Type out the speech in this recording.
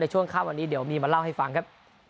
ช่วงค่ำวันนี้เดี๋ยวมีมาเล่าให้ฟังครับ